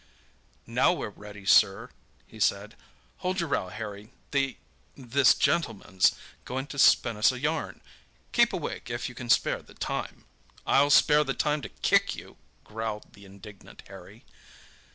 "Now we're ready, sir," he said. "Hold your row, Harry, the—this gentleman's going to spin us a yarn. Keep awake if you can spare the time!" "I'll spare the time to kick you!" growled the indignant Harry.